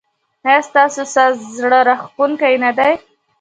ایا ستاسو ساز زړه راښکونکی نه دی؟